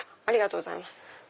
ありがとうございます。